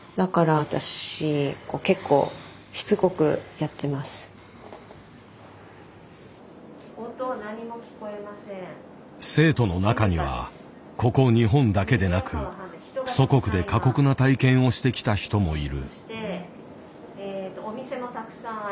やはり生徒の中にはここ日本だけでなく祖国で過酷な体験をしてきた人もいる。